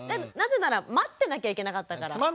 なぜなら待ってなきゃいけなかったから。